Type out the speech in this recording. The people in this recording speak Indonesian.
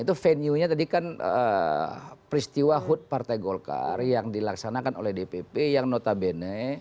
itu venue nya tadi kan peristiwa hud partai golkar yang dilaksanakan oleh dpp yang notabene